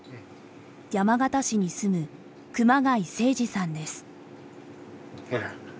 山形市に住む熊谷誠司さんです。